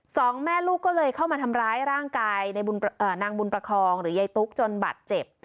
สองแม่ลูกก็เลยเข้ามาทำร้ายร่างกายในนางบุญประคองหรือยายตุ๊กจนบัตรเจ็บ